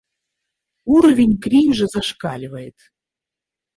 Уровень кринжа зашкаливает.